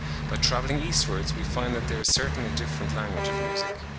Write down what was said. By travelling eastwards we find that there is certainly a different language of music.